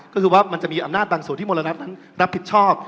ก็คือว่ามันจะมีอำนาจบางส่วนที่มรณนั้นรับผิดชอบ